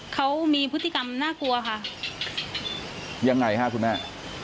เขามีพฤติกรรมน่ากลัวค่ะยังไงฮะคุณแม่